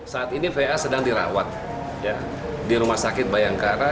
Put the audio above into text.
saat ini va sedang dirawat di rumah sakit bayangkara